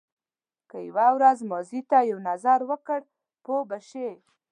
که یو ورځ ماضي ته یو نظر وکړ پوه به شې.